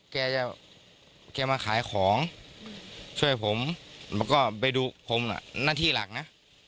แกจะแกมาขายของช่วยผมแล้วก็ไปดูผมน่ะหน้าที่หลักนะ